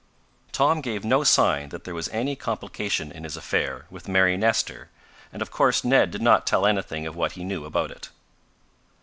Tom gave no sign that there was any complication in his affair with Mary Nestor, and of course Ned did not tell anything of what he knew about it.